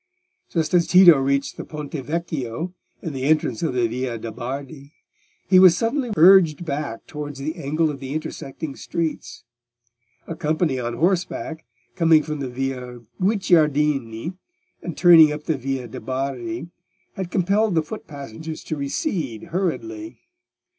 Just as Tito reached the Ponte Vecchio and the entrance of the Via de' Bardi, he was suddenly urged back towards the angle of the intersecting streets. A company on horseback, coming from the Via Guicciardini, and turning up the Via de' Bardi, had compelled the foot passengers to recede hurriedly.